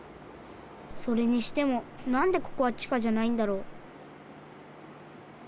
それにしてもなんでここは地下じゃないんだろう？